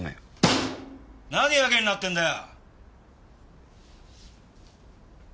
何やけになってんだよ！